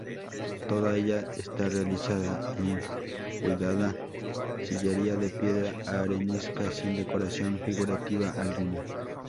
Toda ella está realizada en cuidada sillería de piedra arenisca sin decoración figurativa alguna.